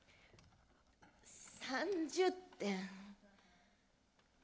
３０点。